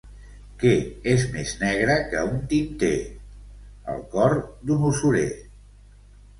Què és més negre que un tinter? El cor d'un usurer.